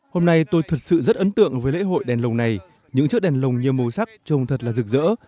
hôm nay tôi thật sự rất ấn tượng với lễ hội đèn lồng này những chiếc đèn lồng nhiều màu sắc trông thật là rực rỡ